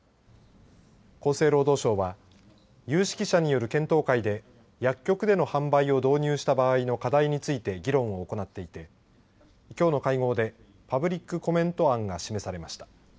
厚生労働省は有識者による検討会で薬局での販売を導入した場合の課題について議論を行っていてきょうの会合でパブリックコメント案が示されました。